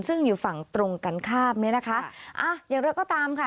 ซึ่งอยู่ฝั่งตรงกันข้ามเนี้ยนะคะอ่าอย่างไรก็ตามค่ะ